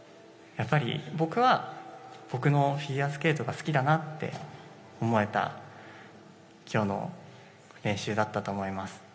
僕は僕のフィギュアスケートが好きだなと思えた今日の練習だったと思います。